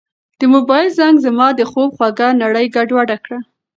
د موبایل زنګ زما د خوب خوږه نړۍ ګډوډه کړه.